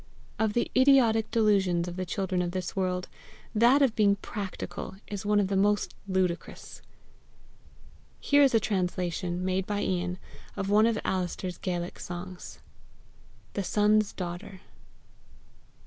Of the idiotic delusions of the children of this world, that of being practical is one of the most ludicrous. Here is a translation, made by Ian, of one of Alister's Gaelic songs. THE SUN'S DAUGHTER.